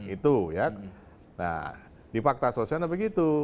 itu ya nah di fakta sosialnya begitu